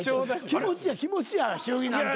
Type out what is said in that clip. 気持ちや気持ちや祝儀なんて。